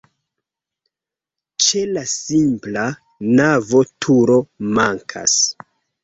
Ĉe la simpla navo turo mankas.